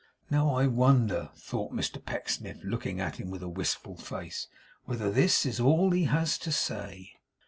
'Now I wonder,' thought Mr Pecksniff, looking at him with a wistful face, 'whether this is all he has to say?